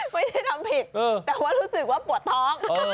ไม่ได้ทำผิดแต่ว่ารู้สึกว่าปวดท้อง